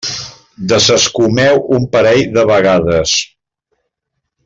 Desescumeu un parell de vegades.